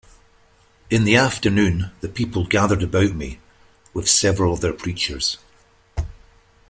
In the afternoon the people gathered about me, with several of their preachers.